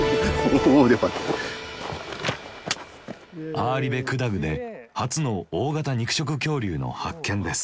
アーリベクダグで初の大型肉食恐竜の発見です。